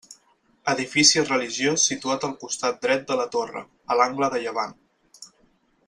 Edifici religiós situat al costat dret de la torre, a l'angle de Llevant.